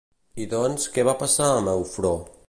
I doncs, què va passar amb Eufró?